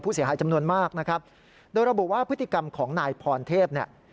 เสียหายจำนวนมากนะครับโดยระบุว่าพฤติกรรมของนายพรเทพเนี่ย